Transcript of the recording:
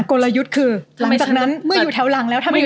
กลยุทธ์คือหลังจากนั้นเมื่ออยู่แถวหลังแล้วทำยังไง